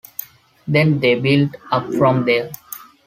Then they build up from there.